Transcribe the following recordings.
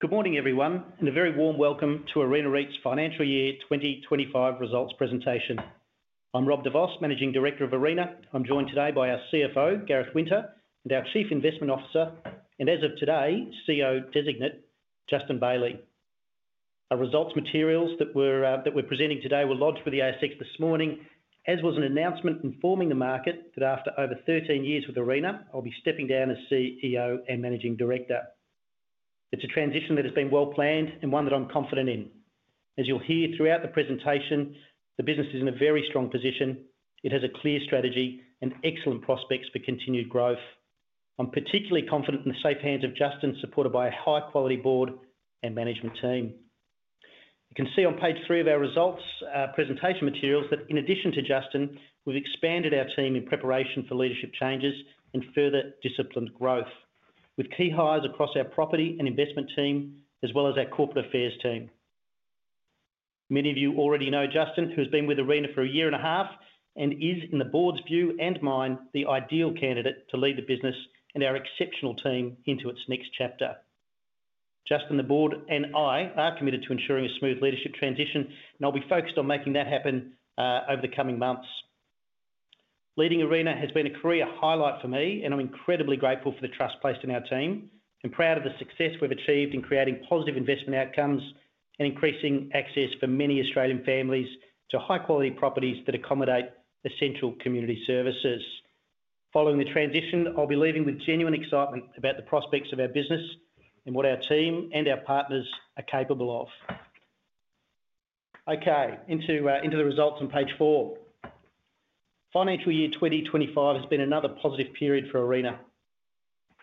Good morning, everyone, and a very warm welcome to Arena REIT's financial year 2025 results presentation. I'm Rob de Vos, Managing Director of Arena. I'm joined today by our CFO, Gareth Winter, and our Chief Investment Officer, and as of today, CEO designate, Justin Bailey. Our results materials that we're presenting today were lodged with the ASX this morning, as was an announcement informing the market that after over 13 years with Arena, I'll be stepping down as CEO and Managing Director. It's a transition that has been well planned and one that I'm confident in. As you'll hear throughout the presentation, the business is in a very strong position. It has a clear strategy and excellent prospects for continued growth. I'm particularly confident in the safe hands of Justin, supported by a high-quality board and management team. You can see on page three of our results presentation materials that in addition to Justin, we've expanded our team in preparation for leadership changes and further disciplined growth, with key hires across our property and investment team, as well as our corporate affairs team. Many of you already know Justin, who has been with Arena for a year and a half and is, in the board's view and mine, the ideal candidate to lead the business and our exceptional team into its next chapter. Justin, the board, and I are committed to ensuring a smooth leadership transition, and I'll be focused on making that happen over the coming months. Leading Arena has been a career highlight for me, and I'm incredibly grateful for the trust placed in our team and proud of the success we've achieved in creating positive investment outcomes and increasing access for many Australian families to high-quality properties that accommodate essential community services. Following the transition, I'll be leaving with genuine excitement about the prospects of our business and what our team and our partners are capable of. Okay, into the results on page four. Financial year 2025 has been another positive period for Arena.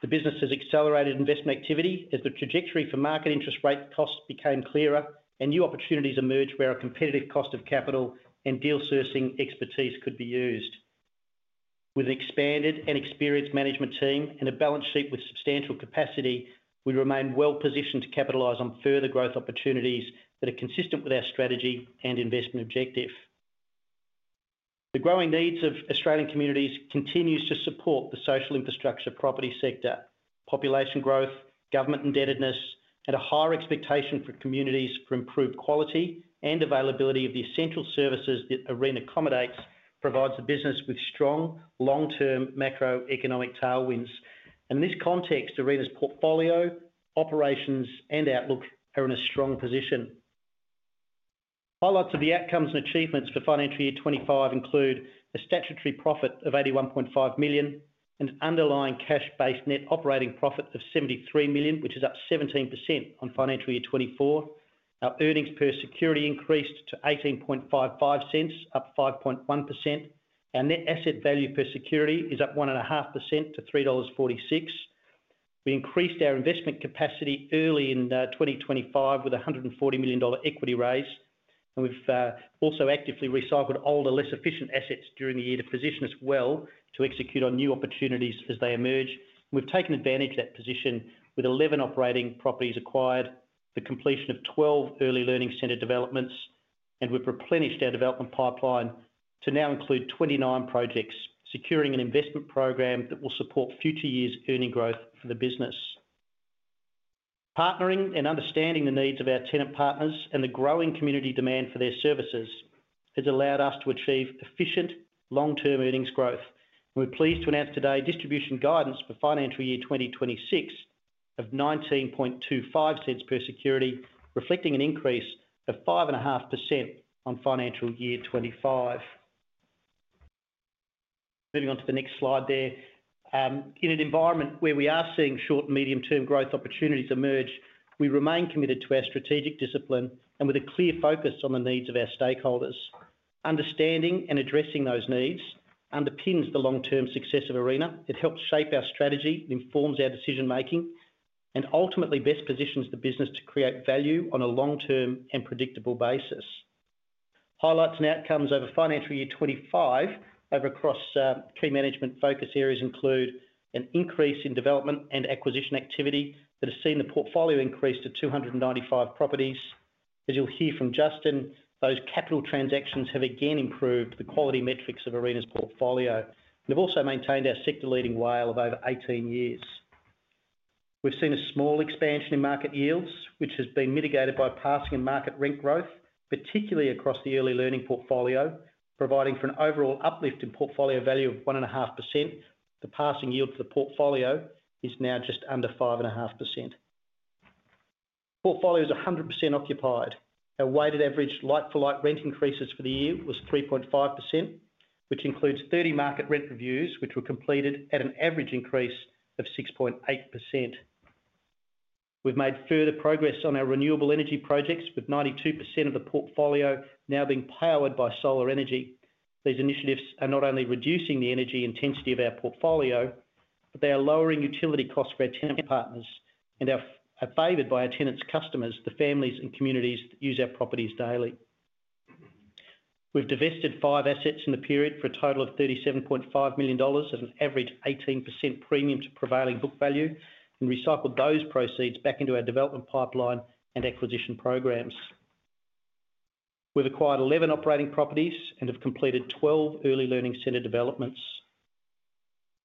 The business has accelerated investment activity as the trajectory for market interest rate costs became clearer and new opportunities emerged where a competitive cost of capital and deal sourcing expertise could be used. With an expanded and experienced management team and a balance sheet with substantial capacity, we remain well positioned to capitalize on further growth opportunities that are consistent with our strategy and investment objective. The growing needs of Australian communities continue to support the social infrastructure property sector. Population growth, government indebtedness, and a higher expectation for communities for improved quality and availability of the essential services that Arena accommodates provide the business with strong long-term macroeconomic tailwinds. In this context, Arena's portfolio, operations, and outlook are in a strong position. Highlights of the outcomes and achievements for financial year 2025 include a statutory profit of $81.5 million and an underlying cash-based net operating profit of $73 million, which is up 17% on financial year 2024. Our earnings per security increased to $0.1855, up 5.1%. Our net asset value per security is up 1.5% to $3.46. We increased our investment capacity early in 2025 with a $140 million equity raise. We've also actively recycled older, less efficient assets during the year to position us well to execute on new opportunities as they emerge. We've taken advantage of that position with 11 operating properties acquired, the completion of 12 early learning centre developments, and we've replenished our development pipeline to now include 29 projects, securing an investment program that will support future years' earning growth for the business. Partnering and understanding the needs of our tenant partners and the growing community demand for their services has allowed us to achieve efficient long-term earnings growth. We're pleased to announce today distribution guidance for financial year 2026 of $0.1925 per security, reflecting an increase of 5.5% on financial year 2025. Moving on to the next slide there. In an environment where we are seeing short and medium-term growth opportunities emerge, we remain committed to our strategic discipline and with a clear focus on the needs of our stakeholders. Understanding and addressing those needs underpins the long-term success of Arena. It helps shape our strategy, informs our decision-making, and ultimately best positions the business to create value on a long-term and predictable basis. Highlights and outcomes over financial year 2025 across key management focus areas include an increase in development and acquisition activity that has seen the portfolio increase to 295 properties. As you'll hear from Justin, those capital transactions have again improved the quality metrics of Arena REIT's portfolio and have also maintained our sector-leading WALE of over 18 years. We've seen a small expansion in market yields, which has been mitigated by passing and market rent growth, particularly across the early learning centre portfolio, providing for an overall uplift in portfolio value of 1.5%. The passing yield for the portfolio is now just under 5.5%. The portfolio is 100% occupied. Our weighted average like-for-like rent increases for the year was 3.5%, which includes 30 market rent reviews, which were completed at an average increase of 6.8%. We've made further progress on our renewable energy projects, with 92% of the portfolio now being powered by solar energy. These initiatives are not only reducing the energy intensity of our portfolio, but they are lowering utility costs for our tenant partners and are favored by our tenants' customers, the families and communities that use our properties daily. We've divested five assets in the period for a total of $37.5 million at an average 18% premium to prevailing book value and recycled those proceeds back into our development pipeline and acquisition programs. We've acquired 11 operating properties and have completed 12 early learning centre developments.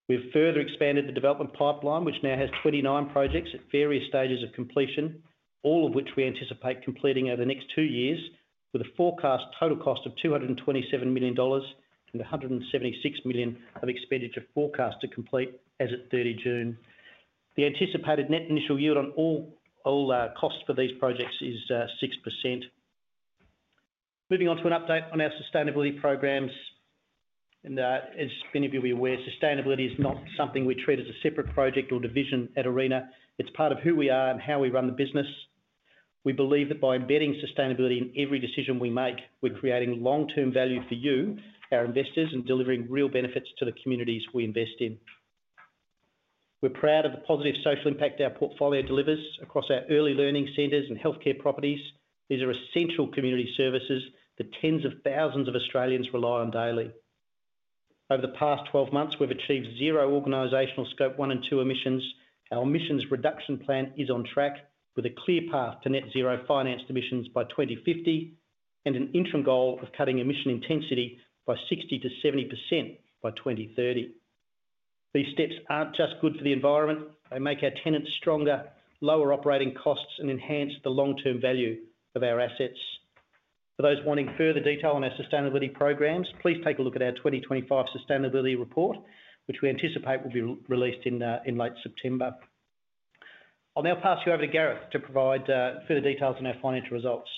We've further expanded the development pipeline, which now has 29 projects at various stages of completion, all of which we anticipate completing over the next two years, with a forecast total cost of $227 million and $176 million of expenditure forecast to complete as of 30 June. The anticipated net initial yield on all costs for these projects is 6%. Moving on to an update on our sustainability programs. As many of you will be aware, sustainability is not something we treat as a separate project or division at Arena REIT. It's part of who we are and how we run the business. We believe that by embedding sustainability in every decision we make, we're creating long-term value for you, our investors, and delivering real benefits to the communities we invest in. We're proud of the positive social impact our portfolio delivers across our early learning centres and healthcare properties. These are essential community services that tens of thousands of Australians rely on daily. Over the past 12 months, we've achieved zero organizational Scope 1 and 2 emissions. Our emissions reduction plan is on track with a clear path to net zero financed emissions by 2050 and an interim goal of cutting emission intensity by 60% to 70% by 2030. These steps aren't just good for the environment. They make our tenants stronger, lower operating costs, and enhance the long-term value of our assets. For those wanting further detail on our sustainability programs, please take a look at our 2025 sustainability report, which we anticipate will be released in late September. I'll now pass you over to Gareth to provide further details on our financial results.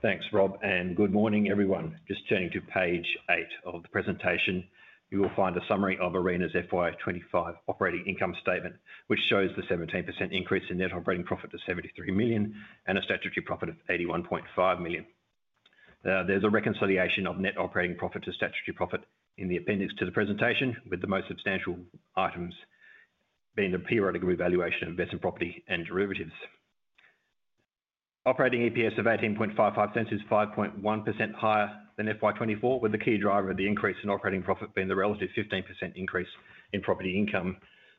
Thanks, Rob, and good morning, everyone. Just turning to page eight of the presentation, you will find a summary of Arena REIT's FY25 operating income statement, which shows the 17% increase in net operating profit to $73 million and a statutory profit of $81.5 million. There is a reconciliation of net operating profit to statutory profit in the appendix to the presentation, with the most substantial items being the periodic revaluation of investment property and derivatives. Operating EPS of $0.1855 is 5.1% higher than FY24, with the key driver of the increase in operating profit being the relative 15% increase in property income.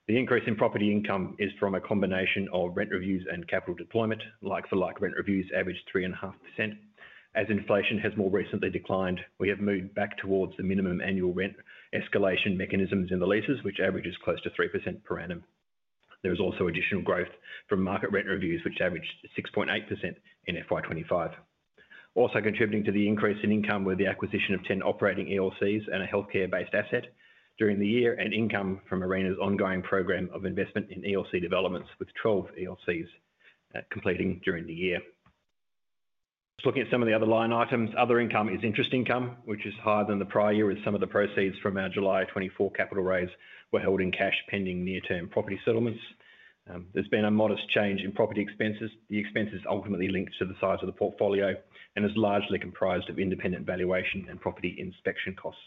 The increase in property income is from a combination of rent reviews and capital deployment. Like-for-like rent reviews averaged 3.5%. As inflation has more recently declined, we have moved back towards the minimum annual rent escalation mechanisms in the leases, which averages close to 3% per annum. There is also additional growth from market rent reviews, which averaged 6.8% in FY25. Also contributing to the increase in income were the acquisition of 10 operating early learning centers and a healthcare-based asset during the year and income from Arena REIT's ongoing program of investment in early learning center developments, with 12 early learning centers completing during the year. Just looking at some of the other line items, other income is interest income, which is higher than the prior year, with some of the proceeds from our July 2024 equity raise held in cash pending near-term property settlements. There has been a modest change in property expenses. The expenses are ultimately linked to the size of the portfolio and are largely comprised of independent valuation and property inspection costs.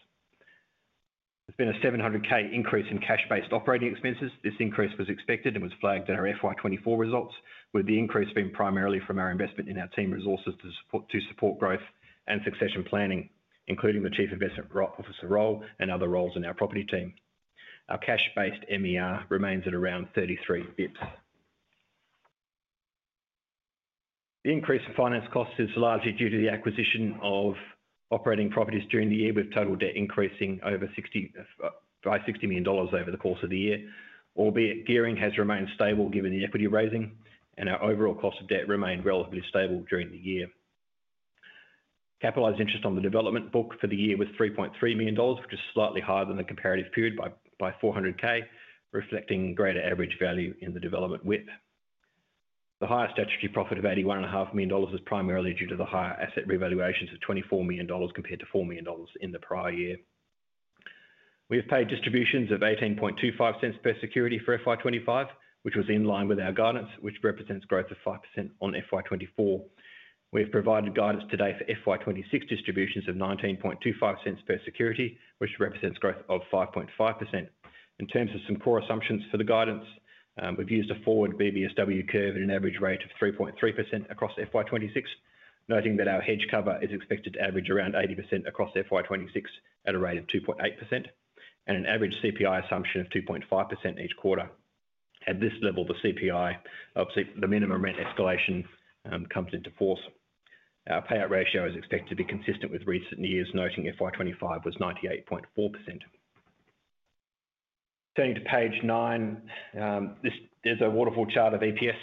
There has been a $700,000 increase in cash-based operating expenses. This increase was expected and was flagged in our FY24 results, with the increase being primarily from our investment in our team resources to support growth and succession planning, including the Chief Investment Officer role and other roles in our property team. Our cash-based MER remains at around 33 bps. The increase in finance costs is largely due to the acquisition of operating properties during the year, with total debt increasing by $60 million over the course of the year, albeit gearing has remained stable given the equity raising, and our overall cost of debt remained relatively stable during the year. Capitalized interest on the development book for the year was $3.3 million, which is slightly higher than the comparative period by $0.4 million, reflecting greater average value in the development WIP. The higher statutory profit of $81.5 million was primarily due to the higher asset revaluations of $24 million compared to $4 million in the prior year. We've paid distributions of $0.1825 per security for FY2025, which was in line with our guidance, which represents growth of 5% on FY2024. We've provided guidance today for FY2026 distributions of $0.1925 per security, which represents growth of 5.5%. In terms of some core assumptions for the guidance, we've used a forward BVSW curve and an average rate of 3.3% across FY2026, noting that our hedge cover is expected to average around 80% across FY2026 at a rate of 2.8% and an average CPI assumption of 2.5% each quarter. At this level, the CPI, obviously the minimum rent escalation, comes into force. Our payout ratio is expected to be consistent with recent years, noting FY2025 was 98.4%. Turning to page nine, there's a waterfall chart of EPS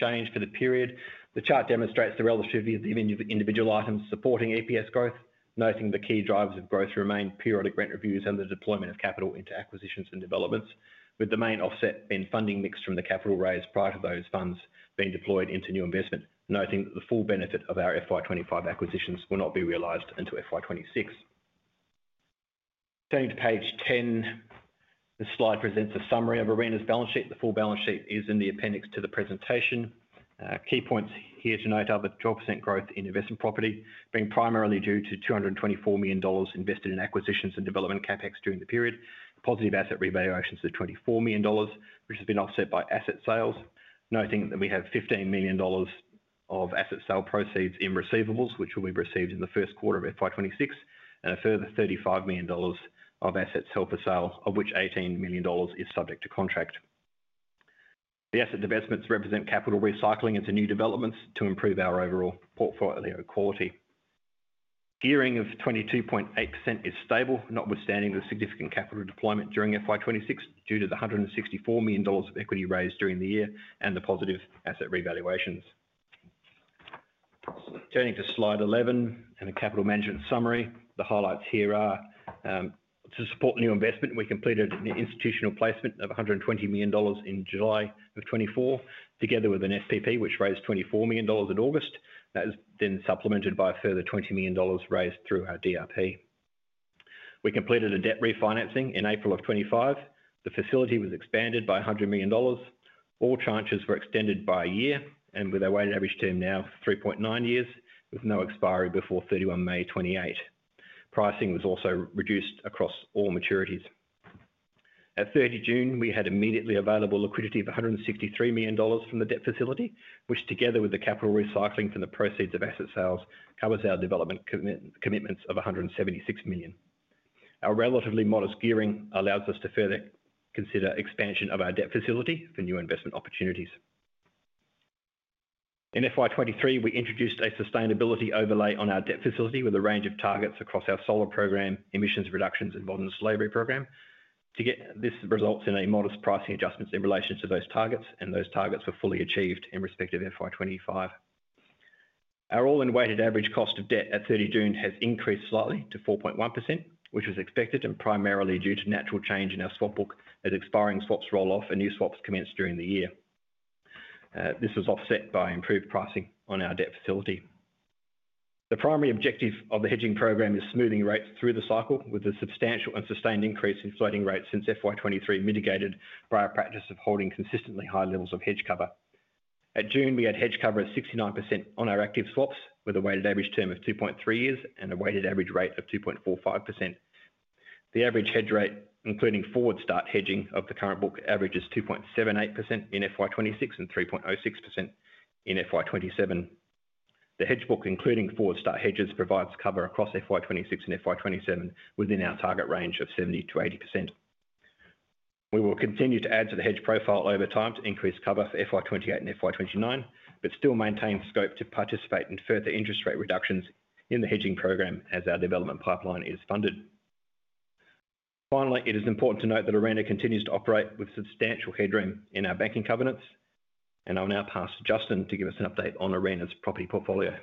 change for the period. The chart demonstrates the relativity of the individual items supporting EPS growth, noting the key drivers of growth remain periodic rent reviews and the deployment of capital into acquisitions and developments, with the main offset being funding mixed from the capital raise prior to those funds being deployed into new investment, noting that the full benefit of our FY2025 acquisitions will not be realized until FY2026. Turning to page 10, this slide presents a summary of Arena REIT's balance sheet. The full balance sheet is in the appendix to the presentation. Key points here to note are the 12% growth in investment property, being primarily due to $224 million invested in acquisitions and development CapEx during the period. Positive asset revaluations of $24 million, which has been offset by asset sales, noting that we have $15 million of asset sale proceeds in receivables, which will be received in the first quarter of FY2026, and a further $35 million of assets held-for-sale, of which $18 million is subject to contract. The asset divestments represent capital recycling into new developments to improve our overall portfolio quality. Gearing of 22.8% is stable, notwithstanding the significant capital deployment during FY2026 due to the $164 million of equity raised during the year and the positive asset revaluations. Turning to slide 11 and a capital management summary, the highlights here are to support new investment, we completed an institutional placement of $120 million in July of 2024, together with an FPP, which raised $24 million in August. That has been supplemented by a further $20 million raised through our DRP. We completed a debt refinancing in April of 2025. The facility was expanded by $100 million. All tranches were extended by a year, with a weighted average term now of 3.9 years, with no expiry before 31 May 2028. Pricing was also reduced across all maturities. At 30 June, we had immediately available liquidity of $163 million from the debt facility, which together with the capital recycling from the proceeds of asset sales, covers our development commitments of $176 million. Our relatively modest gearing allows us to further consider expansion of our debt facility for new investment opportunities. In FY2023, we introduced a sustainability overlay on our debt facility with a range of targets across our solar program, emissions reductions, and modern slavery program. This results in a modest pricing adjustment in relation to those targets, and those targets were fully achieved in respective FY2025. Our all-in weighted average cost of debt at 30 June has increased slightly to 4.1%, which was expected and primarily due to natural change in our swap book as expiring swaps roll off and new swaps commence during the year. This was offset by improved pricing on our debt facility. The primary objective of the hedging program is smoothing rates through the cycle, with a substantial and sustained increase in floating rates since FY2023 mitigated prior practice of holding consistently high levels of hedge cover. At June, we had hedge cover at 69% on our active swaps, with a weighted average term of 2.3 years and a weighted average rate of 2.45%. The average hedge rate, including forward start hedging of the current book, averages 2.78% in FY2026 and 3.06% in FY2027. The hedge book, including forward start hedges, provides cover across FY2026 and FY2027 within our target range of 70 to 80%. We will continue to add to the hedge profile over time to increase cover for FY2028 and FY2029, but still maintain the scope to participate in further interest rate reductions in the hedging program as our development pipeline is funded. Finally, it is important to note that Arena REIT continues to operate with substantial headroom in our banking covenants, and I'll now pass to Justin to give us an update on Arena REIT's property portfolio.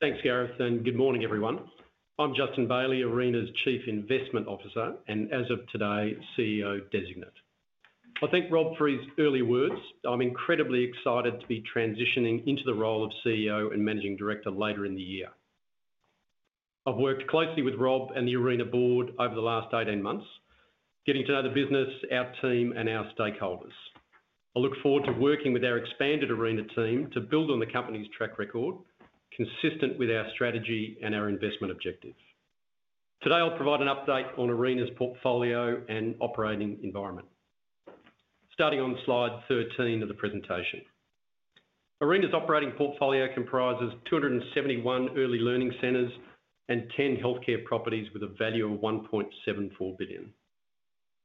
Thanks, Gareth, and good morning, everyone. I'm Justin Bailey, Arena's Chief Investment Officer and as of today, CEO designate. I thank Rob for his early words. I'm incredibly excited to be transitioning into the role of CEO and Managing Director later in the year. I've worked closely with Rob and the Arena board over the last 18 months, getting to know the business, our team, and our stakeholders. I look forward to working with our expanded Arena team to build on the company's track record, consistent with our strategy and our investment objectives. Today, I'll provide an update on Arena's portfolio and operating environment. Starting on slide 13 of the presentation, Arena's operating portfolio comprises 271 early learning centres and 10 healthcare properties with a value of $1.74 billion.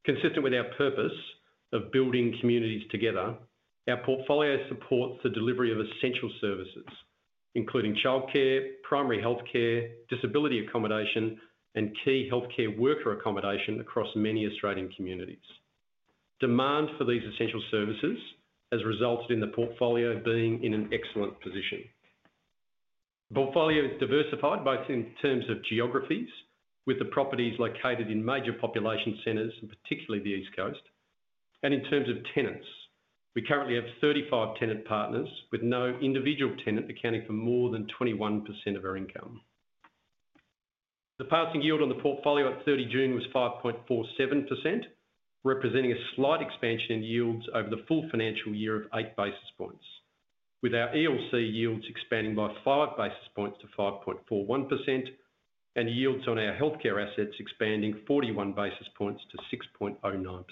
Consistent with our purpose of building communities together, our portfolio supports the delivery of essential services, including childcare, primary healthcare, disability accommodation, and key healthcare worker accommodation across many Australian communities. Demand for these essential services has resulted in the portfolio being in an excellent position. The portfolio is diversified both in terms of geographies, with the properties located in major population centres, and particularly the East Coast, and in terms of tenants. We currently have 35 tenant partners, with no individual tenant accounting for more than 21% of our income. The passing yield on the portfolio at 30 June was 5.47%, representing a slight expansion in yields over the full financial year of 8 basis points, with our early learning centre yields expanding by 5 basis points to 5.41% and yields on our healthcare assets expanding 41 basis points to 6.09%.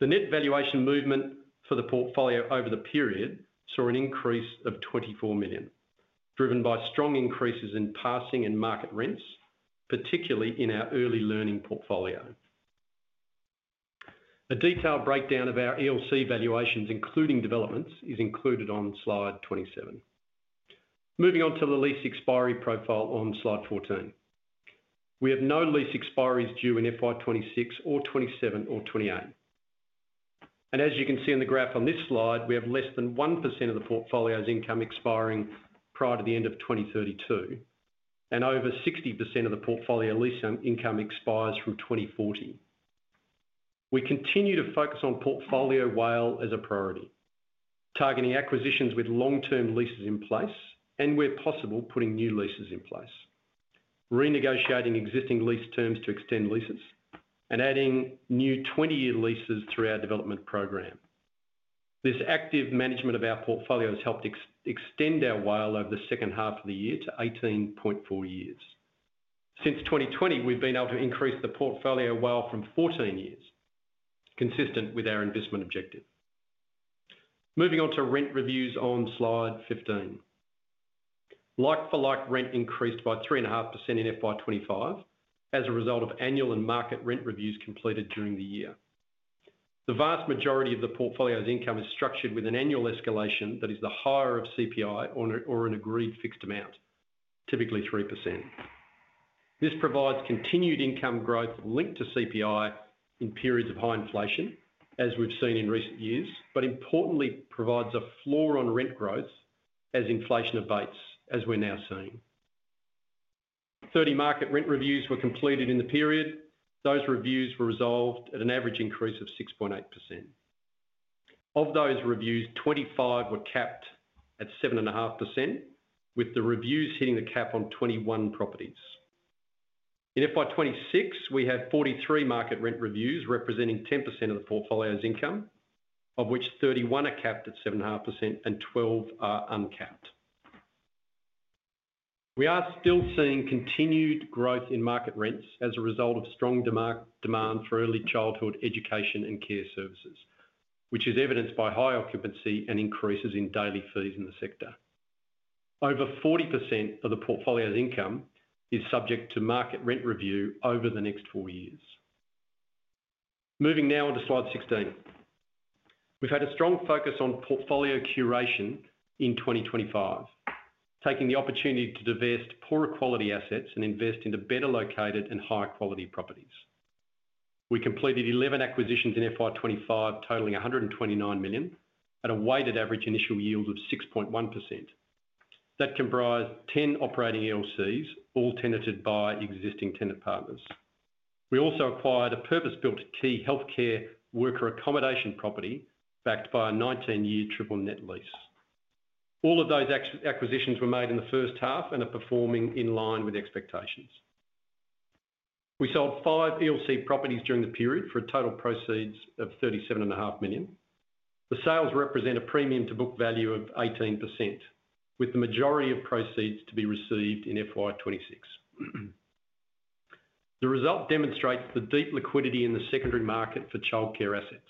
The net valuation movement for the portfolio over the period saw an increase of $24 million, driven by strong increases in passing and market rents, particularly in our early learning portfolio. A detailed breakdown of our early learning centre valuations, including developments, is included on slide 27. Moving on to the lease expiry profile on slide 14, we have no lease expiry due in FY2026 or 2027 or 2028. As you can see in the graph on this slide, we have less than 1% of the portfolio's income expiring prior to the end of 2032, and over 60% of the portfolio lease income expires from 2040. We continue to focus on portfolio WALE as a priority, targeting acquisitions with long-term leases in place and, where possible, putting new leases in place, renegotiating existing lease terms to extend leases, and adding new 20-year leases through our development program. This active management of our portfolio has helped extend our WALE over the second half of the year to 18.4 years. Since 2020, we've been able to increase the portfolio WALE from 14 years, consistent with our investment objective. Moving on to rent reviews on slide 15, like-for-like rent increased by 3.5% in FY25 as a result of annual and market rent reviews completed during the year. The vast majority of the portfolio's income is structured with an annual escalation that is the higher of CPI or an agreed fixed amount, typically 3%. This provides continued income growth linked to CPI in periods of high inflation, as we've seen in recent years, but importantly provides a floor on rent growth as inflation abates, as we're now seeing. Thirty market rent reviews were completed in the period. Those reviews were resolved at an average increase of 6.8%. Of those reviews, 25 were capped at 7.5%, with the reviews hitting the cap on 21 properties. In FY26, we have 43 market rent reviews representing 10% of the portfolio's income, of which 31 are capped at 7.5% and 12 are uncapped. We are still seeing continued growth in market rents as a result of strong demand for early childhood education and care services, which is evidenced by high occupancy and increases in daily fees in the sector. Over 40% of the portfolio's income is subject to market rent review over the next four years. Moving now on to slide 16, we've had a strong focus on portfolio curation in 2025, taking the opportunity to divest poorer quality assets and invest into better located and higher quality properties. We completed 11 acquisitions in FY25, totaling $129 million, at a weighted average initial yield of 6.1%. That comprised 10 operating early learning centers, all tenanted by existing tenant partners. We also acquired a purpose-built key healthcare worker accommodation property backed by a 19-year triple net lease. All of those acquisitions were made in the first half and are performing in line with expectations. We sold five early learning center properties during the period for total proceeds of $37.5 million. The sales represent a premium to book value of 18%, with the majority of proceeds to be received in FY26. The result demonstrates the deep liquidity in the secondary market for childcare assets,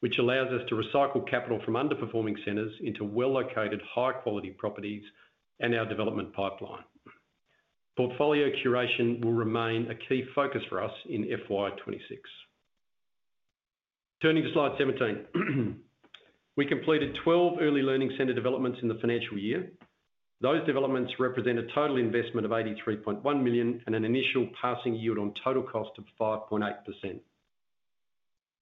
which allows us to recycle capital from underperforming centers into well-located high-quality properties and our development pipeline. Portfolio curation will remain a key focus for us in FY26. Turning to slide 17, we completed 12 early learning center developments in the financial year. Those developments represent a total investment of $83.1 million and an initial passing yield on total cost of 5.8%.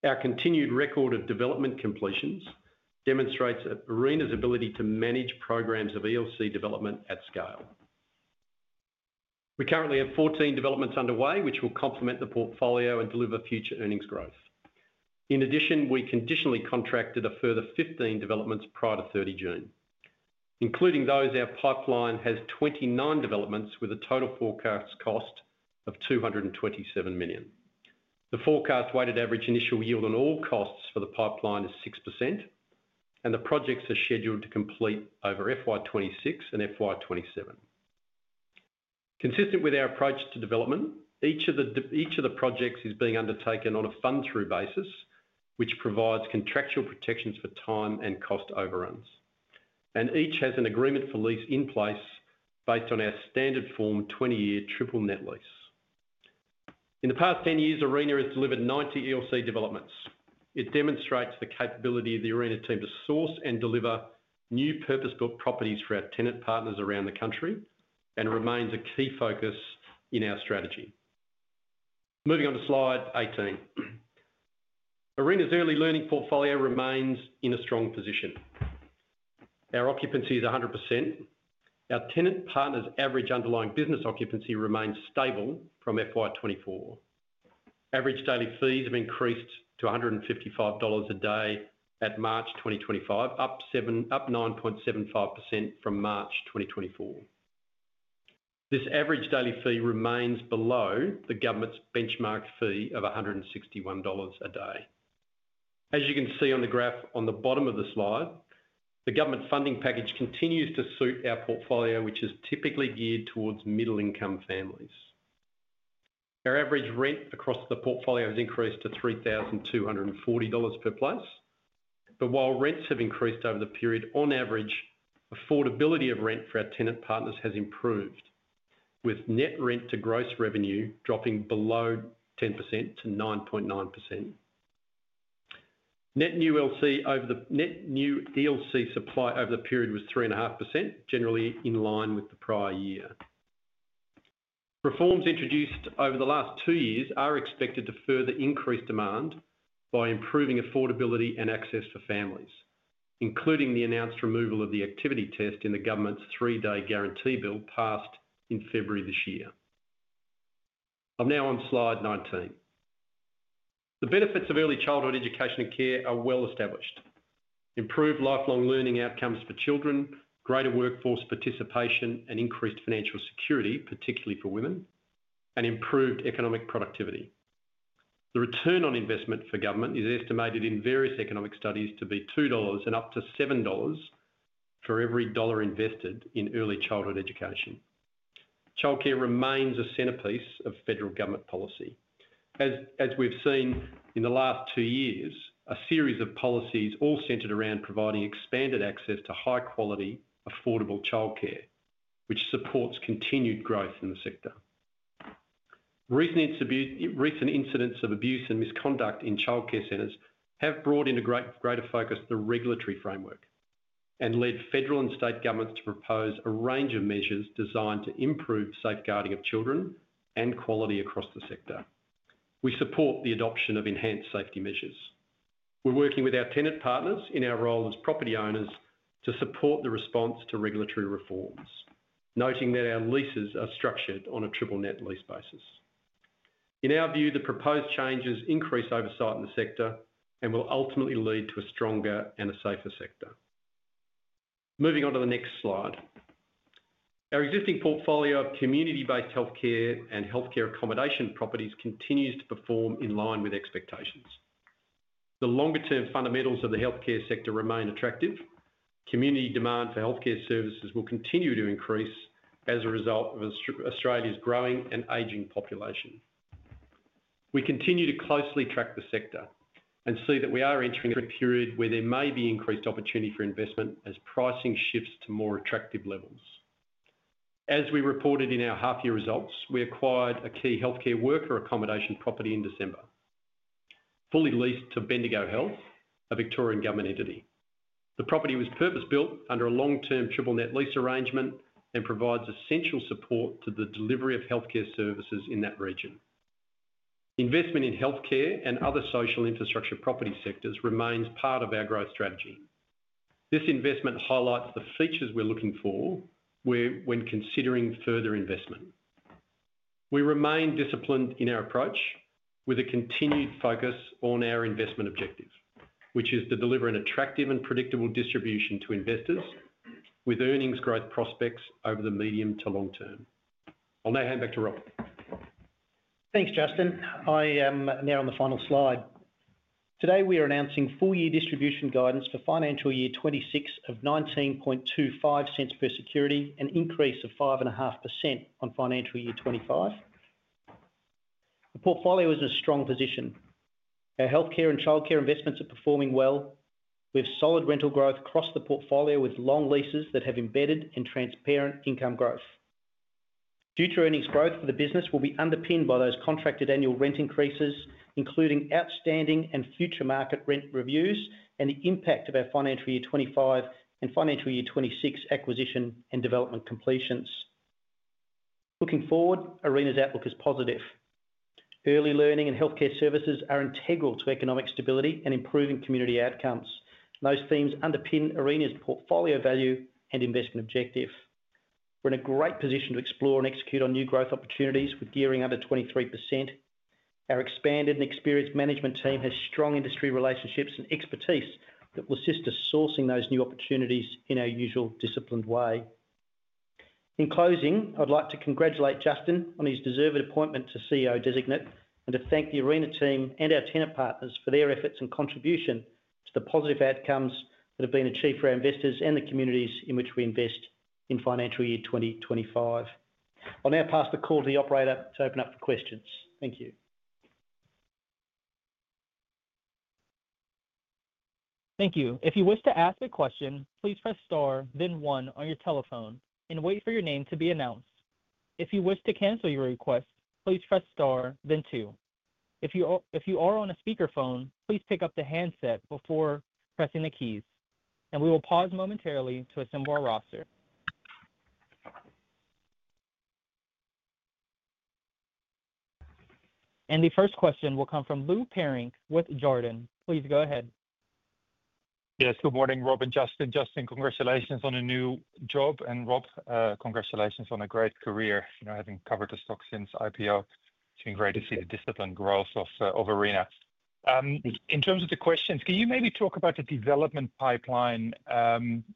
Our continued record of development completions demonstrates Arena REIT's ability to manage programs of ELC development at scale. We currently have 14 developments underway, which will complement the portfolio and deliver future earnings growth. In addition, we conditionally contracted a further 15 developments prior to June 30. Including those, our pipeline has 29 developments with a total forecast cost of $227 million. The forecast weighted average initial yield on all costs for the pipeline is 6%, and the projects are scheduled to complete over FY26 and FY27. Consistent with our approach to development, each of the projects is being undertaken on a fund-through basis, which provides contractual protections for time and cost overruns, and each has an agreement for lease in place based on our standard form 20-year triple net lease. In the past 10 years, Arena REIT has delivered 90 ELC developments. It demonstrates the capability of the Arena REIT team to source and deliver new purpose-built properties for our tenant partners around the country and remains a key focus in our strategy. Moving on to slide 18, Arena REIT's early learning portfolio remains in a strong position. Our occupancy is 100%. Our tenant partners' average underlying business occupancy remains stable from FY24. Average daily fees have increased to $155 a day at March 2025, up 9.75% from March 2024. This average daily fee remains below the government's benchmark fee of $161 a day. As you can see on the graph on the bottom of the slide, the government funding package continues to suit our portfolio, which is typically geared towards middle-income families. Our average rent across the portfolio has increased to $3,240 per place, but while rents have increased over the period, on average, affordability of rent for our tenant partners has improved, with net rent to gross revenue dropping below 10% to 9.9%. Net new ELC supply over the period was 3.5%, generally in line with the prior year. Reforms introduced over the last two years are expected to further increase demand by improving affordability and access for families, including the announced removal of the activity test in the government's three-day guarantee bill passed in February this year. I'm now on slide 19. The benefits of early childhood education and care are well established: improved lifelong learning outcomes for children, greater workforce participation, increased financial security, particularly for women, and improved economic productivity. The return on investment for government is estimated in various economic studies to be $2 and up to $7 for every dollar invested in early childhood education. Childcare remains a centerpiece of federal government policy. As we've seen in the last two years, a series of policies all centered around providing expanded access to high quality, affordable childcare, which supports continued growth in the sector. Recent incidents of abuse and misconduct in childcare centers have brought into greater focus the regulatory framework and led federal and state governments to propose a range of measures designed to improve safeguarding of children and quality across the sector. We support the adoption of enhanced safety measures. We're working with our tenant partners in our role as property owners to support the response to regulatory reforms, noting that our leases are structured on a triple net lease basis. In our view, the proposed changes increase oversight in the sector and will ultimately lead to a stronger and a safer sector. Moving on to the next slide, our existing portfolio of community-based healthcare and healthcare accommodation properties continues to perform in line with expectations. The longer-term fundamentals of the healthcare sector remain attractive. Community demand for healthcare services will continue to increase as a result of Australia's growing and aging population. We continue to closely track the sector and see that we are entering a period where there may be increased opportunity for investment as pricing shifts to more attractive levels. As we reported in our half-year results, we acquired a key healthcare worker accommodation property in December, fully leased to Bendigo Health, a Victorian government entity. The property was purpose-built under a long-term triple net lease arrangement and provides essential support to the delivery of healthcare services in that region. Investment in healthcare and other social infrastructure property sectors remains part of our growth strategy. This investment highlights the features we're looking for when considering further investment. We remain disciplined in our approach with a continued focus on our investment objective, which is to deliver an attractive and predictable distribution to investors with earnings growth prospects over the medium to long term. I'll now hand back to Rob. Thanks, Justin. I am now on the final slide. Today, we are announcing full-year distribution guidance for financial year 2026 of $0.1925 per security, an increase of 5.5% on financial year 2025. The portfolio is in a strong position. Our healthcare and childcare investments are performing well, with solid rental growth across the portfolio with long leases that have embedded and transparent income growth. Future earnings growth for the business will be underpinned by those contracted annual rent increases, including outstanding and future market rent reviews and the impact of our financial year 2025 and financial year 2026 acquisition and development completions. Looking forward, Arena's outlook is positive. Early learning and healthcare services are integral to economic stability and improving community outcomes. Those themes underpin Arena's portfolio value and investment objective. We're in a great position to explore and execute on new growth opportunities with gearing under 23%. Our expanded and experienced management team has strong industry relationships and expertise that will assist us sourcing those new opportunities in our usual disciplined way. In closing, I'd like to congratulate Justin on his deserved appointment to CEO designate and to thank the Arena team and our tenant partners for their efforts and contribution to the positive outcomes that have been achieved for our investors and the communities in which we invest in financial year 2025. I'll now pass the call to the operator to open up for questions. Thank you. Thank you. If you wish to ask a question, please press star, then one on your telephone and wait for your name to be announced. If you wish to cancel your request, please press star, then two. If you are on a speakerphone, please pick up the handset before pressing the keys. We will pause momentarily to assemble our roster. The first question will come from Lou Pirenc with Jarden. Please go ahead. Yes, good morning, Rob and Justin. Justin, congratulations on a new job, and Rob, congratulations on a great career. You know, having covered the stock since IPO, it's been great to see the disciplined growth of Arena REIT. In terms of the questions, can you maybe talk about the development pipeline?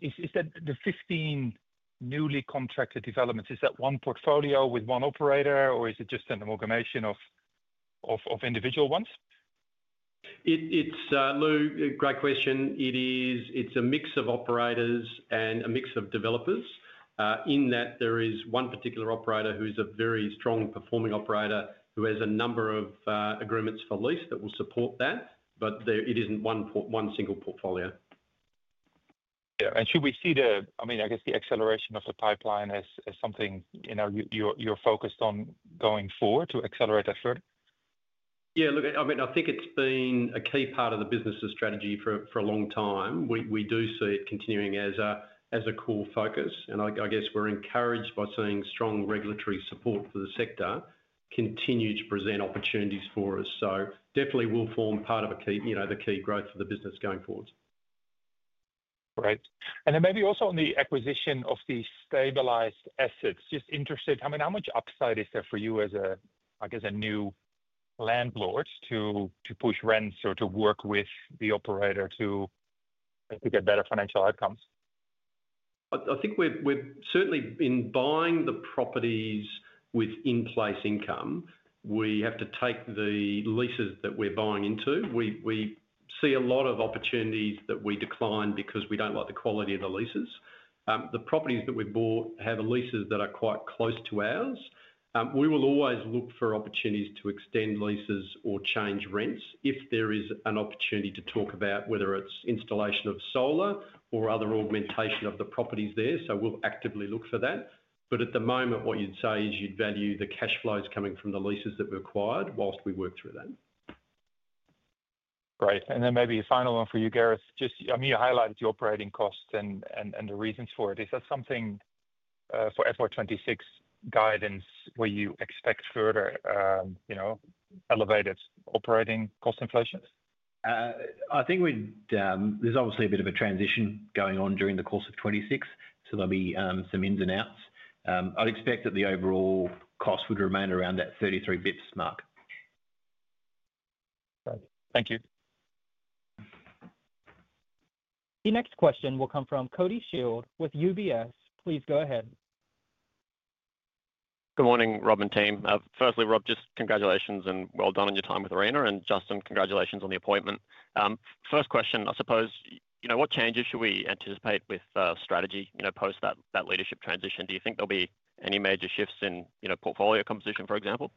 Is that the 15 newly contracted developments? Is that one portfolio with one operator, or is it just an amalgamation of individual ones? It's a great question. It's a mix of operators and a mix of developers. In that, there is one particular operator who's a very strong performing operator who has a number of agreements for lease that will support that, but it isn't one single portfolio. Should we see the acceleration of the pipeline as something you're focused on going forward to accelerate that further? I think it's been a key part of the business's strategy for a long time. We do see it continuing as a core focus, and we're encouraged by seeing strong regulatory support for the sector continue to present opportunities for us. It will definitely form part of the key growth for the business going forward. Great, and maybe also on the acquisition of the stabilised assets, just interested, I mean, how much upside is there for you as a, I guess, a new landlord to push rents or to work with the operator to get better financial outcomes? I think we've certainly been buying the properties with in-place income. We have to take the leases that we're buying into. We see a lot of opportunities that we decline because we don't like the quality of the leases. The properties that we've bought have leases that are quite close to ours. We will always look for opportunities to extend leases or change rents if there is an opportunity to talk about whether it's installation of solar or other augmentation of the properties there. We will actively look for that. At the moment, what you'd say is you'd value the cash flows coming from the leases that we acquired whilst we work through that. Great, and then maybe a final one for you, Gareth. You highlighted the operating costs and the reasons for it. Is that something for FY2026 guidance where you expect further elevated operating cost inflation? I think there's obviously a bit of a transition going on during the course of 2026, so there'll be some ins and outs. I'd expect that the overall cost would remain around that 33 bps mark. Thank you. The next question will come from Cody Shield with UBS. Please go ahead. Good morning, Rob and team. Firstly, Rob, just congratulations and well done on your time with Arena REIT, and Justin, congratulations on the appointment. First question, I suppose, what changes should we anticipate with strategy post that leadership transition? Do you think there'll be any major shifts in portfolio composition, for example?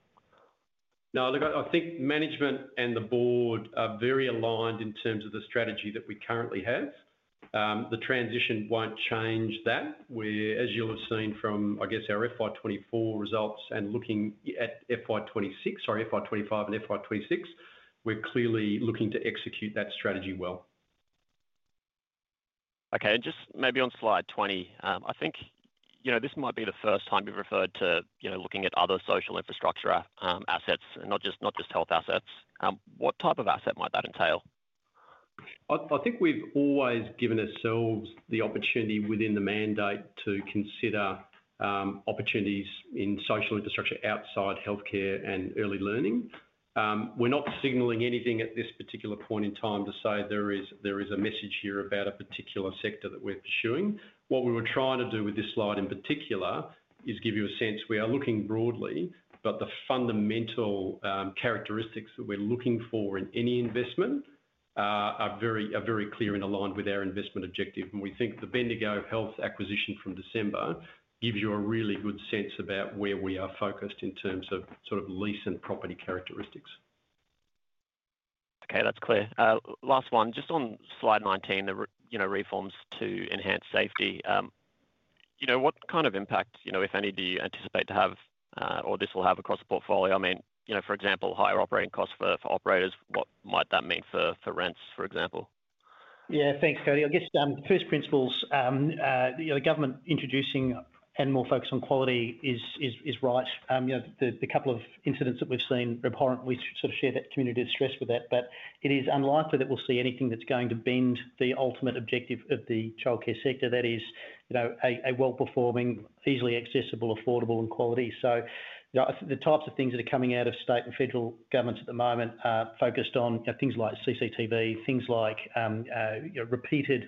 No, look, I think management and the board are very aligned in terms of the strategy that we currently have. The transition won't change that. As you'll have seen from our FY2024 results and looking at FY2025 and FY2026, we're clearly looking to execute that strategy well. Okay, and just maybe on slide 20, I think this might be the first time we've referred to looking at other social infrastructure assets and not just health assets. What type of asset might that entail? I think we've always given ourselves the opportunity within the mandate to consider opportunities in social infrastructure outside healthcare and early learning. We're not signaling anything at this particular point in time to say there is a message here about a particular sector that we're pursuing. What we were trying to do with this slide in particular is give you a sense we are looking broadly, but the fundamental characteristics that we're looking for in any investment are very clear and aligned with our investment objective. We think the Bendigo Health acquisition from December gives you a really good sense about where we are focused in terms of sort of lease and property characteristics. Okay, that's clear. Last one, just on slide 19, the reforms to enhance safety. What kind of impact, if any, do you anticipate to have, or this will have across the portfolio? For example, higher operating costs for operators, what might that mean for rents, for example? Yeah, thanks, Cody. I guess first principles, you know, the government introducing and more focus on quality is right. The couple of incidents that we've seen reportedly sort of share that community of stress with that, but it is unlikely that we'll see anything that's going to bend the ultimate objective of the childcare sector. That is, you know, a well-performing, easily accessible, affordable, and quality. The types of things that are coming out of state and federal governments at the moment are focused on things like CCTV, things like repeated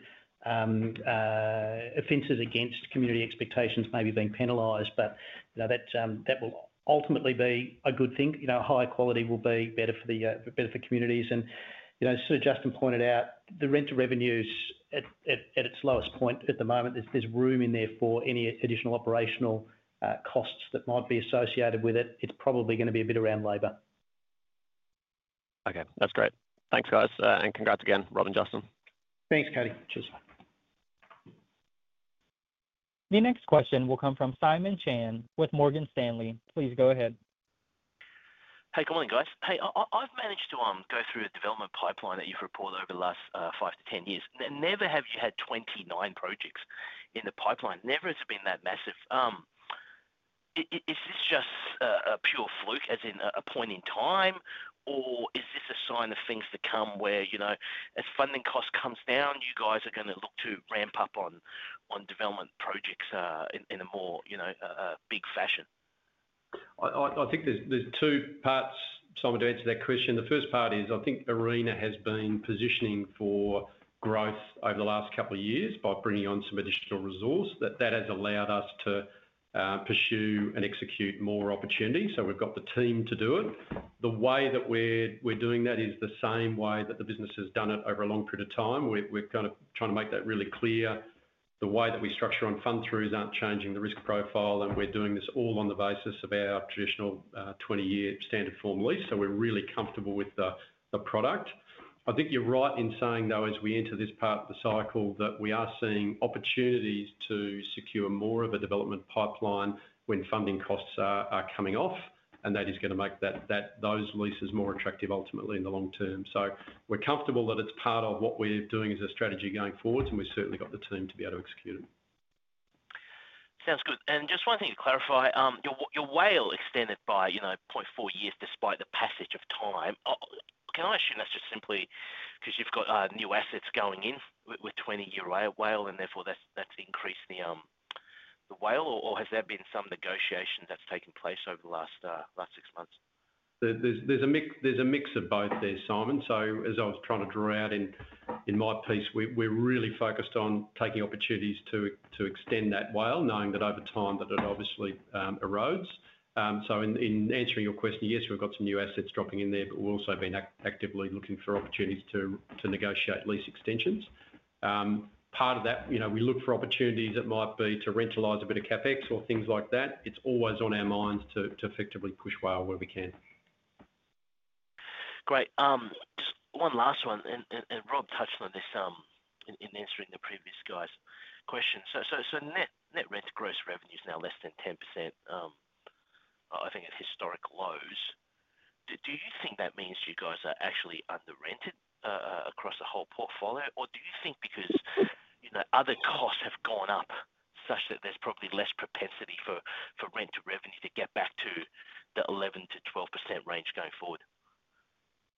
offenses against community expectations may be being penalized, but that will ultimately be a good thing. Higher quality will be better for the communities. You know, as Justin pointed out, the rental revenues at its lowest point at the moment, there's room in there for any additional operational costs that might be associated with it. It's probably going to be a bit around labor. Okay, that's great. Thanks, guys, and congrats again, Rob and Justin. Thanks, Cody. Cheers. The next question will come from Simon Chan with Morgan Stanley. Please go ahead. Hey, good morning, guys. I've managed to go through a development pipeline that you've reported over the last five to ten years, and never have you had 29 projects in the pipeline. Never has it been that massive. Is this just a pure fluke, as in a point in time, or is this a sign of things to come where, you know, as funding costs come down, you guys are going to look to ramp up on development projects in a more, you know, big fashion? I think there's two parts, Simon, to answer that question. The first part is I think Arena REIT has been positioning for growth over the last couple of years by bringing on some additional resources. That has allowed us to pursue and execute more opportunities. We've got the team to do it. The way that we're doing that is the same way that the business has done it over a long period of time. We're trying to make that really clear. The way that we structure on fund-throughs isn't changing the risk profile, and we're doing this all on the basis of our traditional 20-year standard form lease. We're really comfortable with the product. I think you're right in saying, as we enter this part of the cycle, that we are seeing opportunities to secure more of a development pipeline when funding costs are coming off, and that is going to make those leases more attractive ultimately in the long term. We're comfortable that it's part of what we're doing as a strategy going forwards, and we've certainly got the team to be able to execute it. Sounds good. Just one thing to clarify, your WALE extended by 0.4 years despite the passage of time. Can I assume that's just simply because you've got new assets going in with 20-year WALE, and therefore that's increased the WALE, or has there been some negotiation that's taken place over the last six months? There's a mix of both there, Simon. As I was trying to draw out in my piece, we're really focused on taking opportunities to extend that WALE, knowing that over time that it obviously erodes. In answering your question, yes, we've got some new assets dropping in there, but we've also been actively looking for opportunities to negotiate lease extensions. Part of that, you know, we look for opportunities that might be to rentalize a bit of CapEx or things like that. It's always on our minds to effectively push WALE where we can. Great. Just one last one, and Rob de Vos touched on this in answering the previous guy's question. Net rent gross revenue is now less than 10%, I think, at historic lows. Do you think that means you guys are actually under-rented across the whole portfolio, or do you think because, you know, other costs have gone up such that there's probably less propensity for rent to revenue to get back to the 11 to 12% range going forward?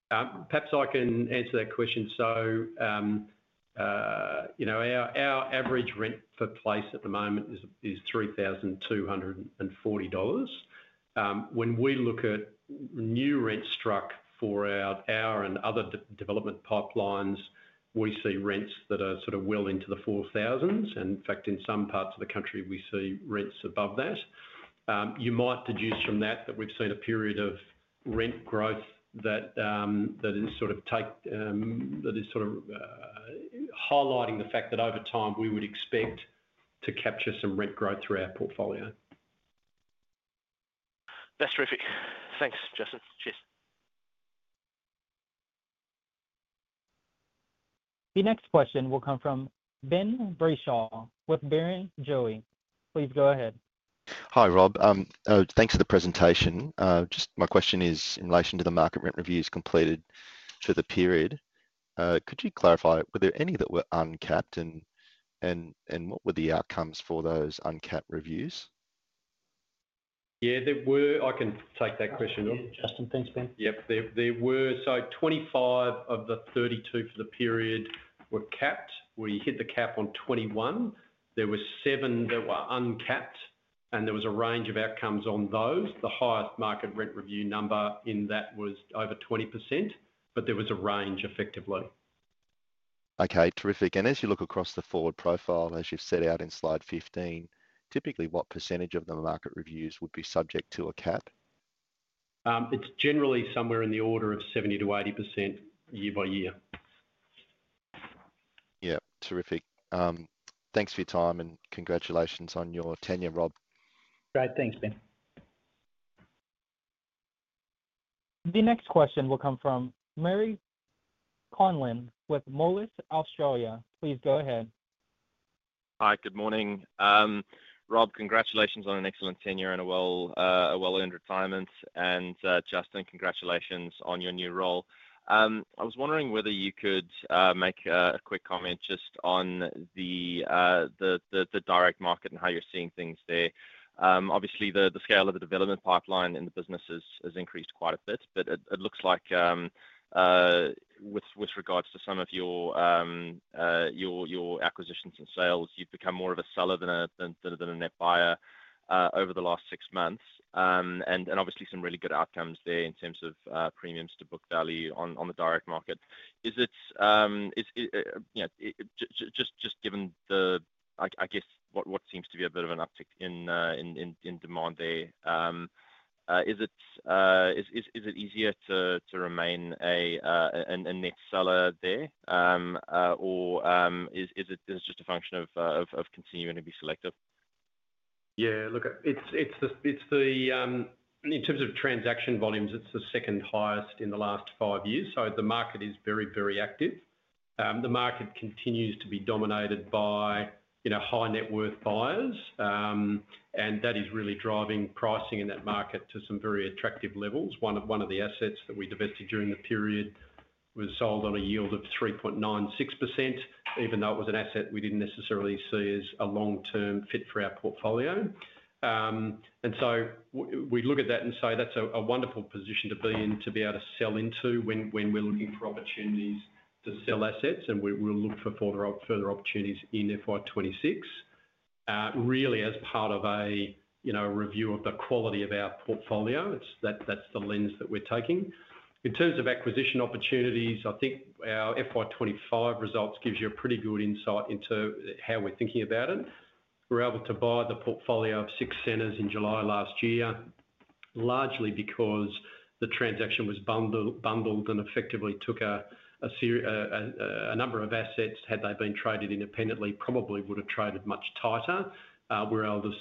Perhaps I can answer that question. You know, our average rent for place at the moment is $3,240. When we look at new rent struck for our and other development pipelines, we see rents that are sort of well into the $4,000s. In fact, in some parts of the country, we see rents above that. You might deduce from that that we've seen a period of rent growth that is sort of highlighting the fact that over time we would expect to capture some rent growth through our portfolio. That's terrific. Thanks, Justin. Cheers. The next question will come from Ben Brayshaw with Barrenjoey. Please go ahead. Hi, Rob. Thanks for the presentation. My question is in relation to the market rent reviews completed for the period. Could you clarify, were there any that were uncapped, and what were the outcomes for those uncapped reviews? Yeah, there were. I can take that question on. Justin, thanks, Ben. There were 25 of the 32 for the period that were capped. We hit the cap on 21. There were seven that were uncapped, and there was a range of outcomes on those. The highest market rent review number in that was over 20%, but there was a range effectively. Okay, terrific. As you look across the forward profile, as you've set out in slide 15, typically what % of the market reviews would be subject to a cap? It's generally somewhere in the order of 70% to 80% year by year. Yeah, terrific. Thanks for your time and congratulations on your tenure, Rob. Great, thanks, Ben. The next question will come from Mary Conlin with Mullis, Australia. Please go ahead. Hi, good morning. Rob, congratulations on an excellent tenure and a well-earned retirement, and Justin, congratulations on your new role. I was wondering whether you could make a quick comment just on the direct market and how you're seeing things there. Obviously, the scale of the development pipeline in the business has increased quite a bit, but it looks like with regards to some of your acquisitions and sales, you've become more of a seller than a net buyer over the last six months, and obviously some really good outcomes there in terms of premiums to book value on the direct market. Is it, just given what seems to be a bit of an uptick in demand there, is it easier to remain a net seller there, or is it just a function of continuing to be selective? Yeah, look, in terms of transaction volumes, it's the second highest in the last five years, so the market is very, very active. The market continues to be dominated by high net worth buyers, and that is really driving pricing in that market to some very attractive levels. One of the assets that we divested during the period was sold on a yield of 3.96%, even though it was an asset we didn't necessarily see as a long-term fit for our portfolio. We look at that and say that's a wonderful position to be in, to be able to sell into when we're looking for opportunities to sell assets, and we'll look for further opportunities in FY2026, really as part of a review of the quality of our portfolio. That's the lens that we're taking. In terms of acquisition opportunities, I think our FY2025 results give you a pretty good insight into how we're thinking about it. We're able to buy the portfolio of six centres in July last year, largely because the transaction was bundled and effectively took a number of assets. Had they been traded independently, probably would have traded much tighter. We were able to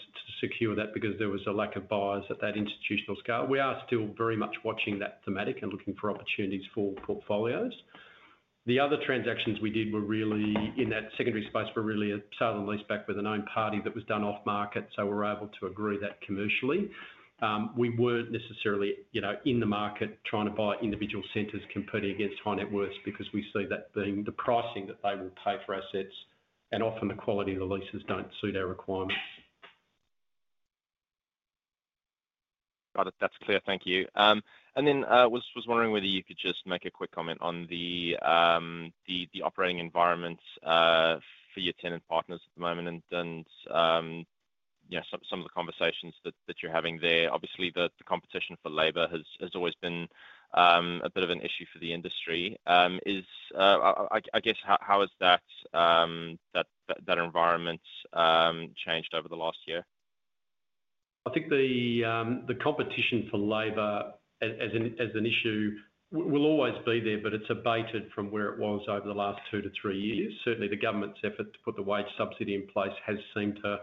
secure that because there was a lack of buyers at that institutional scale. We are still very much watching that thematic and looking for opportunities for portfolios. The other transactions we did were really in that secondary space, really a sell and lease back with an own party that was done off market, so we're able to agree that commercially. We weren't necessarily in the market trying to buy individual centres competing against high net worth because we see that being the pricing that they will pay for assets, and often the quality of the leases don't suit our requirements. Got it. That's clear. Thank you. I was wondering whether you could just make a quick comment on the operating environments for your tenant partners at the moment and, you know, some of the conversations that you're having there. Obviously, the competition for labor has always been a bit of an issue for the industry. I guess how has that environment changed over the last year? I think the competition for labor as an issue will always be there, but it's abated from where it was over the last two to three years. Certainly, the government's effort to put the wage subsidy in place has seemed to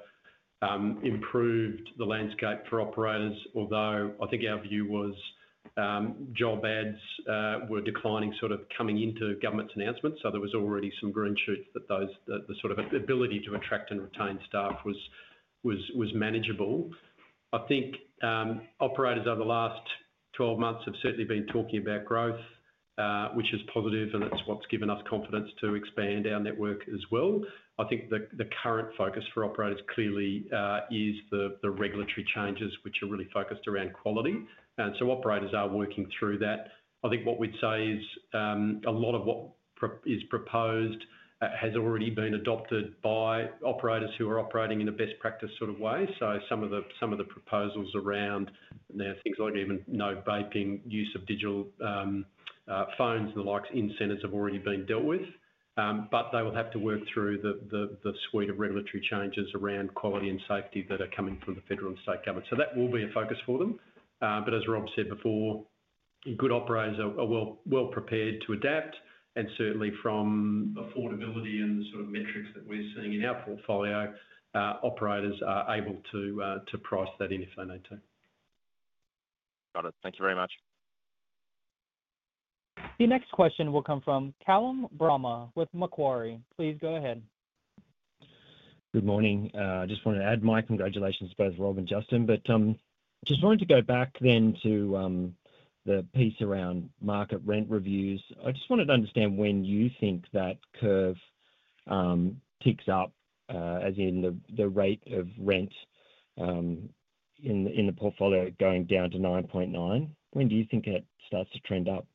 improve the landscape for operators, although I think our view was job ads were declining sort of coming into government's announcements. There was already some green shoot that the sort of ability to attract and retain staff was manageable. I think operators over the last 12 months have certainly been talking about growth, which is positive, and that's what's given us confidence to expand our network as well. I think the current focus for operators clearly is the regulatory changes, which are really focused around quality. Operators are working through that. I think what we'd say is a lot of what is proposed has already been adopted by operators who are operating in a best practice sort of way. Some of the proposals around now, things like even no vaping, use of digital phones, and the likes in centers have already been dealt with. They will have to work through the suite of regulatory changes around quality and safety that are coming from the federal and state government. That will be a focus for them. As Rob de Vos said before, good operators are well prepared to adapt, and certainly from affordability and the sort of metrics that we're seeing in our portfolio, operators are able to price that in if they need to. Got it. Thank you very much. The next question will come from Callum Bramah with Macquarie. Please go ahead. Good morning. I just wanted to add my congratulations to both Rob and Justin, but just wanted to go back to the piece around market rent reviews. I just wanted to understand when you think that curve ticks up, as in the rate of rent in the portfolio going down to 9.9%. When do you think it starts to trend up?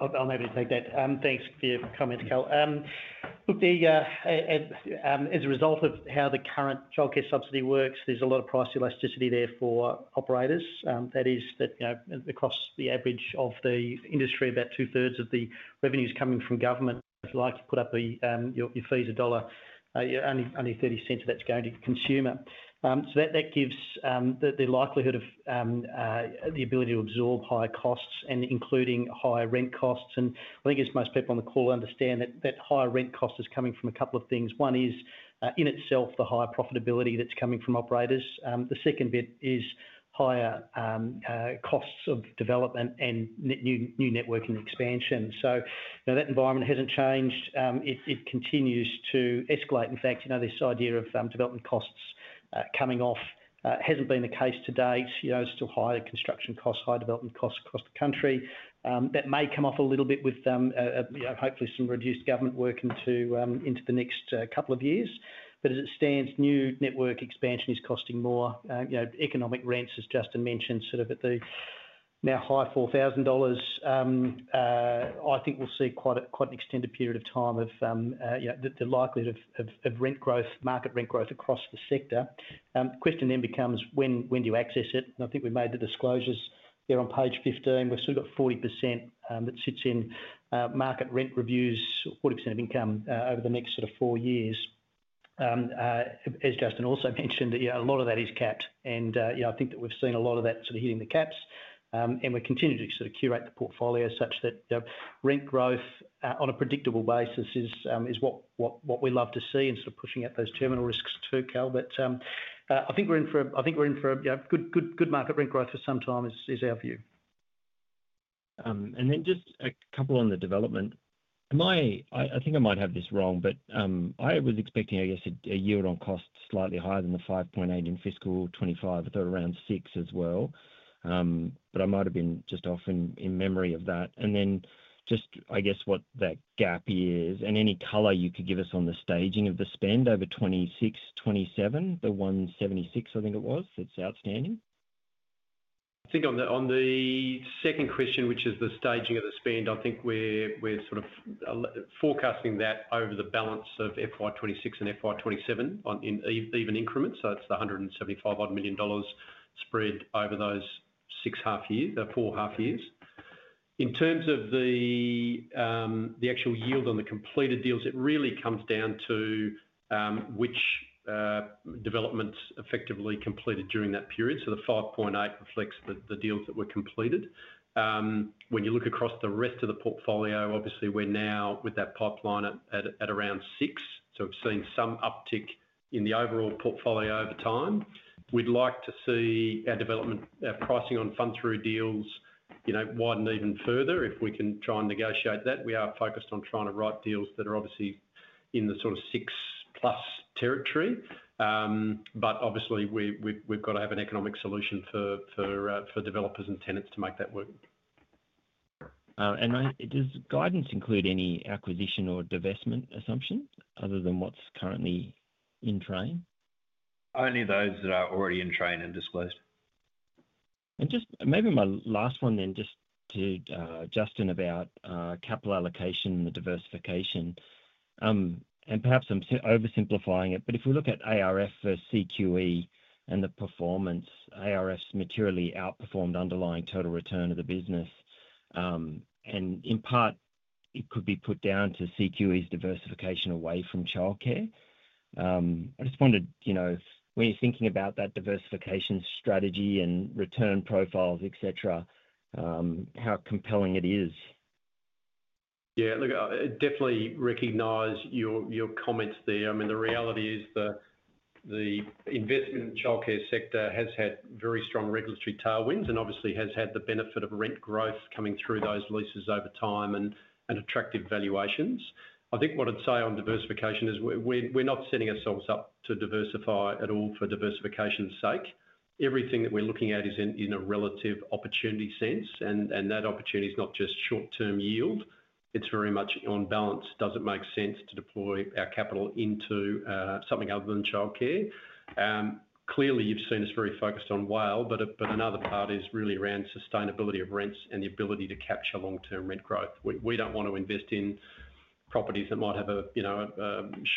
I'll maybe take that. Thanks for the comment, Carl. Look, as a result of how the current childcare subsidy works, there's a lot of price elasticity there for operators. That is that, you know, across the average of the industry, about two-thirds of the revenue is coming from government. Like you put up your fees a dollar, only $0.30 of that's going to the consumer. That gives the likelihood of the ability to absorb higher costs, including higher rent costs. I think as most people on the call understand, that higher rent cost is coming from a couple of things. One is in itself the higher profitability that's coming from operators. The second bit is higher costs of development and new network expansion. That environment hasn't changed. It continues to escalate. In fact, this idea of development costs coming off hasn't been the case to date. It's still higher construction costs, higher development costs across the country. That may come off a little bit with, hopefully, some reduced government work into the next couple of years. As it stands, new network expansion is costing more. Economic rents, as Justin mentioned, are sort of at the now high $4,000. I think we'll see quite an extended period of time of the likelihood of rent growth, market rent growth across the sector. The question then becomes when do you access it? I think we made the disclosures there on page 15. We've sort of got 40% that sits in market rent reviews, 40% of income over the next four years. As Justin also mentioned, a lot of that is capped. I think that we've seen a lot of that sort of hitting the caps. We continue to sort of curate the portfolio such that rent growth on a predictable basis is what we love to see and sort of pushing out those terminal risks too, Carl. I think we're in for a good market rent growth for some time is our view. I have just a couple on the development. I think I might have this wrong, but I was expecting, I guess, a year-on cost slightly higher than the $5.8 million in fiscal 2025, I thought around $6 million as well. I might have been just off in memory of that. What is that gap, and any color you could give us on the staging of the spend over 2026, 2027, the $176 million, I think it was, that's outstanding. I think on the second question, which is the staging of the spend, I think we're sort of forecasting that over the balance of FY2026 and FY2027 in even increments. That's the $175 million spread over those four half years. In terms of the actual yield on the completed deals, it really comes down to which developments effectively completed during that period. The 5.8% reflects the deals that were completed. When you look across the rest of the portfolio, obviously we're now with that pipeline at around 6%. We've seen some uptick in the overall portfolio over time. We'd like to see our development, our pricing on fund-through deals, widened even further if we can try and negotiate that. We are focused on trying to write deals that are obviously in the sort of 6% plus territory. Obviously we've got to have an economic solution for developers and tenants to make that work. Does guidance include any acquisition or divestment assumption other than what's currently in train? Only those that are already in train and disclosed. Maybe my last one then, just to Justin about capital allocation and the diversification. Perhaps I'm oversimplifying it, but if we look at Arena REIT versus CQE and the performance, Arena REIT's materially outperformed underlying total return of the business. In part, it could be put down to CQE's diversification away from childcare. I just wanted to, when you're thinking about that diversification strategy and return profiles, etc., how compelling it is. Yeah, look, I definitely recognize your comments there. I mean, the reality is that the investment in the childcare sector has had very strong regulatory tailwinds and obviously has had the benefit of rent growth coming through those leases over time and attractive valuations. I think what I'd say on diversification is we're not setting ourselves up to diversify at all for diversification's sake. Everything that we're looking at is in a relative opportunity sense, and that opportunity is not just short-term yield. It's very much on balance. Does it make sense to deploy our capital into something other than childcare? Clearly, you've seen us very focused on WALE, but another part is really around sustainability of rents and the ability to capture long-term rent growth. We don't want to invest in properties that might have a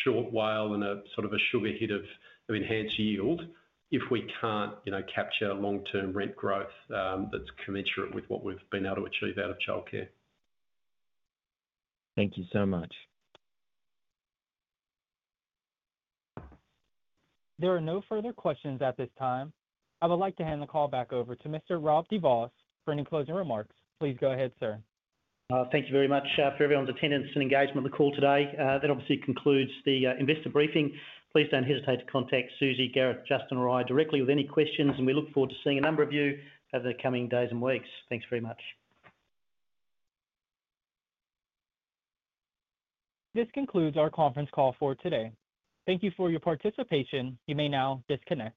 short WALE and a sort of a sugar hit of enhanced yield if we can't capture long-term rent growth that's commensurate with what we've been able to achieve out of childcare. Thank you so much. There are no further questions at this time. I would like to hand the call back over to Mr. Rob de Vos for any closing remarks. Please go ahead, sir. Thank you very much for everyone's attendance and engagement in the call today. That obviously concludes the investor briefing. Please don't hesitate to contact Susie, Gareth, Justin, or me directly with any questions, and we look forward to seeing a number of you over the coming days and weeks. Thanks very much. This concludes our conference call for today. Thank you for your participation. You may now disconnect.